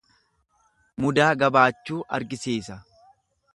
Mudaa gabaachuu agarsiisa.